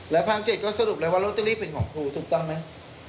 ภาค๗ก็สรุปเลยว่าลอตเตอรี่เป็นของครูถูกต้องไหม